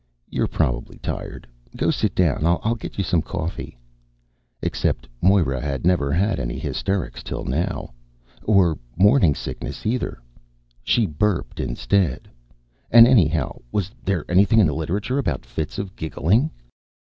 "You're probably tired. Go sit down and I'll get you some coffee." Except that Moira had never had any hysterics till now, or morning sickness, either she burped instead and anyhow, was there anything in the literature about fits of giggling?